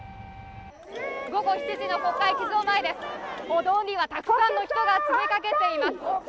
午後７時の国会議事堂前です、歩道にはたくさんの人が詰めかけています。